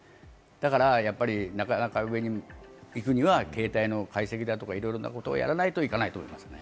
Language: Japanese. だから、なかなか上に行くには携帯の解析だとかいろんなことやらないといけないと思いますね。